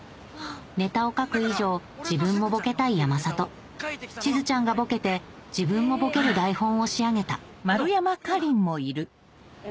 ネタを書く以上自分もボケたい山里しずちゃんがボケて自分もボケる台本を仕上げたどう？